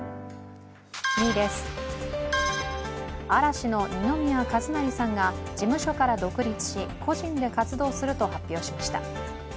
２位です、嵐の二宮和也さんが事務所から独立し、個人で活動すると発表しました。